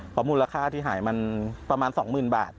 เพราะมูลค่าที่หายมันประมาณสองหมื่นบาท